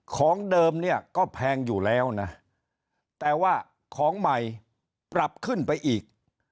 ของเดิมเนี่ยก็แพงอยู่แล้วนะแต่ว่าของใหม่ปรับขึ้นไปอีก